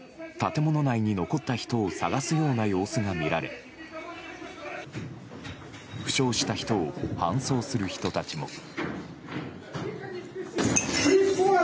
建物内に残った人を捜すような様子が見られ負傷した人を搬送する人たちも。